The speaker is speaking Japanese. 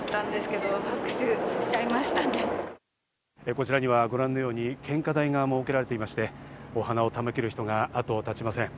こちらにはご覧のように献花台が設けられていまして、お花を手向ける人が後を絶ちません。